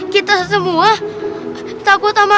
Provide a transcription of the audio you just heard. kita semua takut sama